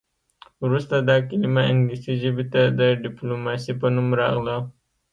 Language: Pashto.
وروسته دا کلمه انګلیسي ژبې ته د ډیپلوماسي په نوم راغله